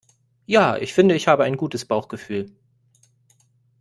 Ja, ich finde ich habe ein gutes Bauchgefühl.